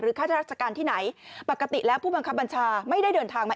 ข้าราชการที่ไหนปกติแล้วผู้บังคับบัญชาไม่ได้เดินทางมา